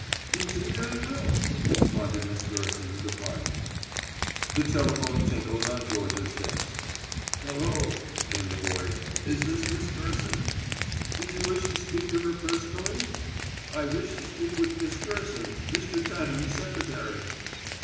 "Indeed I will," responded Miss Gerson, departing. The telephone tinkled on Georgia's desk. "Hello," came the voice, "is this Miss Gerson?" "Did you wish to speak to her personally?" "I wish to speak with Miss Gerson, Mr. Tatton's secretary."